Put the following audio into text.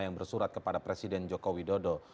yang bersurat kepada presiden joko widodo